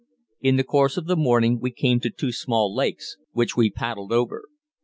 In the course of the morning we came to two small lakes, which we paddled over.